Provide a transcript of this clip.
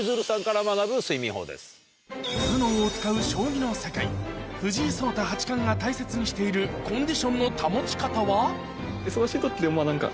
頭脳を使う将棋の世界が大切にしているコンディションの保ち方は？